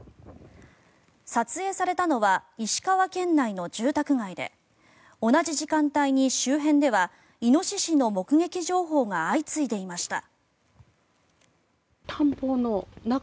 撮影されたのは石川県内の住宅街で同じ時間帯に周辺ではイノシシの目撃情報が相次いでいました。